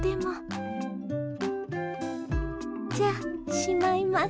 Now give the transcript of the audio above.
じゃあしまいます。